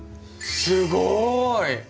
すごい！